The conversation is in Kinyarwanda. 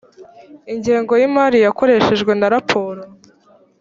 ingengo y imari yakoreshejwe na raporo